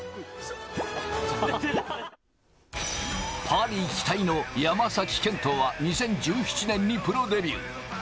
パリ期待の山崎賢人は２０１７年にプロデビュー。